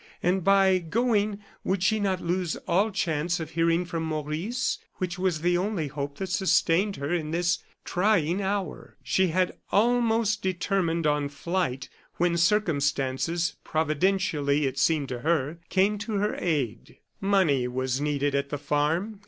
And by going, would she not lose all chance of hearing from Maurice, which was the only hope that sustained her in this trying hour? She had almost determined on flight when circumstances providentially, it seemed to her came to her aid. Money was needed at the farm.